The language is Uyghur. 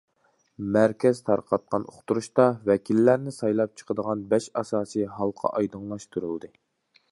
مەركەز تارقاتقان« ئۇقتۇرۇش» تا ۋەكىللەرنى سايلاپ چىقىدىغان بەش ئاساسىي ھالقا ئايدىڭلاشتۇرۇلدى.